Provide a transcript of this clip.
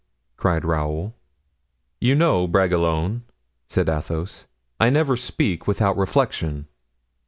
cried Raoul. "You know, Bragelonne," said Athos, "I never speak without reflection."